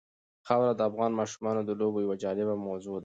خاوره د افغان ماشومانو د لوبو یوه جالبه موضوع ده.